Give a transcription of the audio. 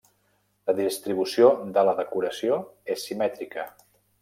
La distribució de la decoració és simètrica.